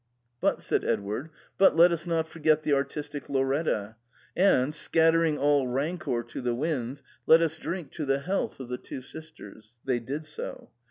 *' But," said Edward, " but let us not forget the artis tic Lauretta ; and, scattering all rancour to the winds, let us drink to the health of the two sisters." They did so.